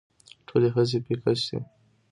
ټولې هڅې پيکه شي